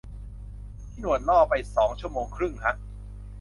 พี่หนวดล่อไปสองชั่วโมงครึ่งฮะ